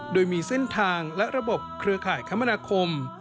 โดยมีเส้นทางและระบบเครือข่ายคมนาคม